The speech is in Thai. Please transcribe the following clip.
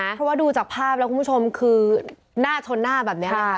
เพราะว่าดูจากภาพแล้วคุณผู้ชมคือหน้าชนหน้าแบบนี้